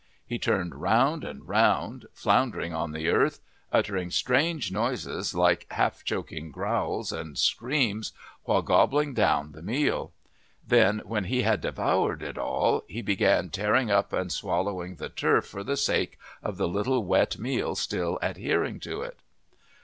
He turned round and round, floundering on the earth, uttering strange noises like half choking growls and screams while gobbling down the meal; then when he had devoured it all he began tearing up and swallowing the turf for the sake of the little wet meal still adhering to it.